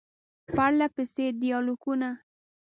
پرله پسې ډیالوګونه ،